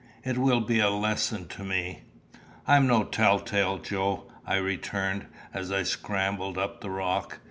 It will be a lesson to me." "I'm no tell tale, Joe," I returned, as I scrambled up the rock.